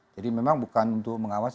jadi memang bukan untuk mengawasi